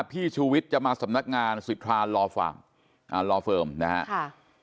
พี่ชูวิทย์จะมาสำนักงานสิทธารอฟาร์มอ่ารอเฟิร์มนะฮะค่ะ